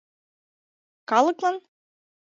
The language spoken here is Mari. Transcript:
— Калыклан?